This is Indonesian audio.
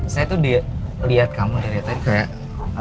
saya tuh lihat kamu dari tadi kayak